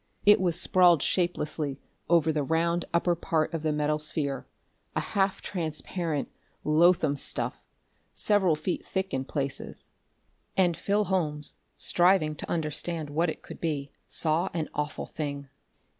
It was sprawled shapelessly over the round upper part of the metal sphere, a half transparent, loathsome stuff, several feet thick in places. And Phil Holmes, striving to understand what it could be, saw an awful thing.